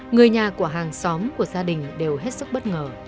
người nhà của hàng xóm của gia đình đều hết sức bất ngờ